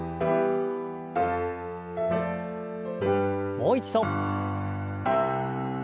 もう一度。